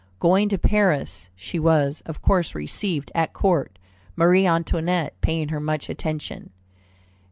Going to Paris, she was, of course, received at Court, Marie Antoinette paying her much attention.